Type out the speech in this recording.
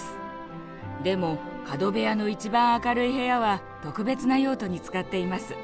でも角部屋の一番明るい部屋は特別な用途に使っています。